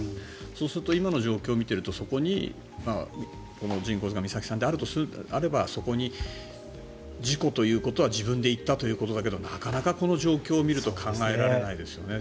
そうすると今の状況を見ているとそこに、人骨が美咲さんであればそこに事故ということは自分で行ったということだけどなかなかこの状況を見ると考えられないですよね。